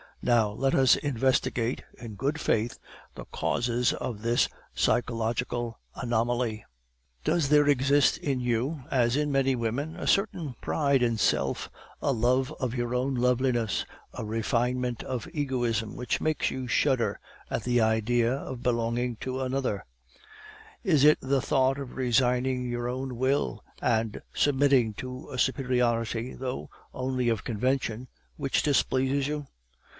Now let us investigate, in good faith, the causes of this psychological anomaly. Does there exist in you, as in many women, a certain pride in self, a love of your own loveliness, a refinement of egoism which makes you shudder at the idea of belonging to another; is it the thought of resigning your own will and submitting to a superiority, though only of convention, which displeases you?